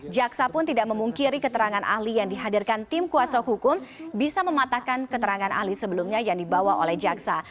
jaksa pun tidak memungkiri keterangan ahli yang dihadirkan tim kuasa hukum bisa mematahkan keterangan ahli sebelumnya yang dibawa oleh jaksa